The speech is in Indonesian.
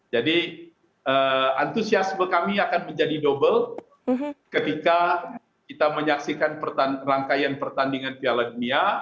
jadi antusiasme kami akan menjadi dobel ketika kita menyaksikan rangkaian pertandingan piala dunia